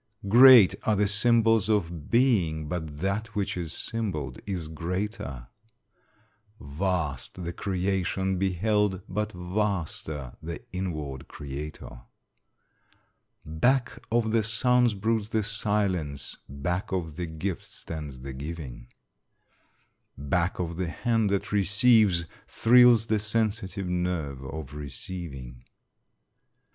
Great are the symbols of being, but that which is symboled is greater; Vast the creation beheld, but vaster the inward Creator; Back of the sound broods the silence; back of the gift stands the giving; Back of the hand that receives, thrills the sensitive nerve of receiving.